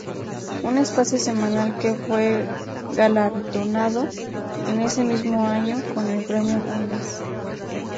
Un espacio semanal que fue galardonado, en ese mismo año, con el Premio Ondas.